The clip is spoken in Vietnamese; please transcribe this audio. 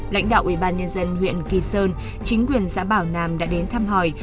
lãnh đạo ubnd huyện ky sơn chính quyền giã bảo nam đã đến thăm hỏi